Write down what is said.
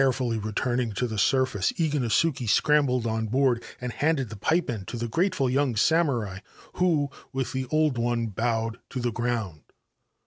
Carefully returning to the surface, Iganosuke scramt on board, and handed the pipe end to the grateful yoi samurai, who, with the old one, bowed to the ground.